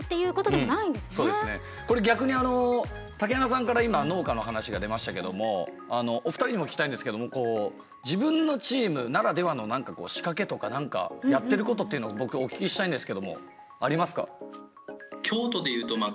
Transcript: これ逆に竹鼻さんから今農家の話が出ましたけどもお二人にも聞きたいんですけども自分のチームならではの何か仕掛けとか何かやってることっていうのも僕お聞きしたいんですけどもありますか。